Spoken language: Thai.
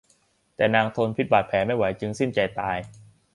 แต่นางทนพิษบาดแผลไม่ไหวจึงสิ้นใจตาย